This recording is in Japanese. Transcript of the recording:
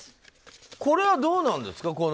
これはどうなんですか。